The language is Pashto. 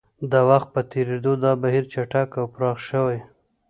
د وخت په تېرېدو دا بهیر چټک او پراخ شوی.